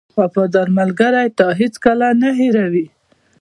• وفادار ملګری تا هېڅکله نه هېروي.